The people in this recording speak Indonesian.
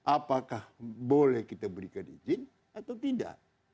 apakah boleh kita berikan izin atau tidak